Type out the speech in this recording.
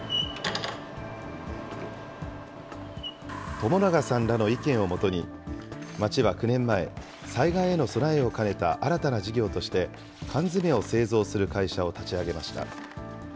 友永さんらの意見を基に、町は９年前、災害への備えを兼ねた新たな事業として、缶詰を製造する会社を立ち上げました。